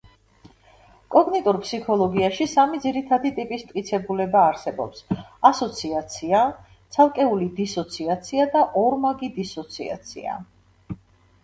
კოგნიტურ ფსიქოლოგიაში სამი ძირითადი ტიპის მტკიცებულება არსებობს: ასოციაცია, ცალკეული დისოციაცია და ორმაგი დისოციაცია.